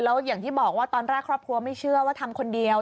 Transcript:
แล้วอย่างที่บอกว่าตอนแรกครอบครัวไม่เชื่อว่าทำคนเดียว